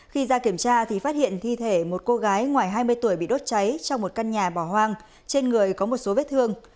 khi ra kiểm tra thì phát hiện thi thể một cô gái ngoài hai mươi tuổi bị đốt cháy trong một căn nhà bỏ hoang trên người có một số vết thương